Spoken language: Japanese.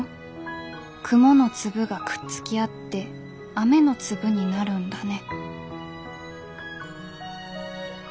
くものつぶがくっつきあって雨のつぶになるんだね」